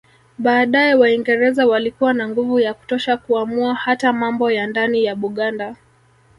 Baadaye Waingereza walikuwa na nguvu ya kutosha kuamua hata mambo ya ndani ya Buganda